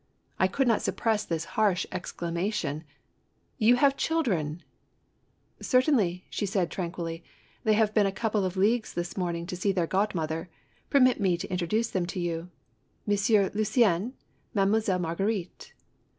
I could not suppress this harsh exclamation: "You have children !"" Certainly," she said, tranquilly. " They have been a couple of leagues this morning to see their godmother. Permit me to introduce them to you: Monsieur Lucien, Mademoiselle Marguerite!"